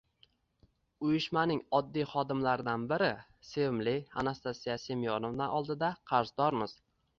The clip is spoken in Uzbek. Uyushmaning oddiy xodimlaridan biri, sevimli Anastasiya Semyonovna oldida qarzdormiz.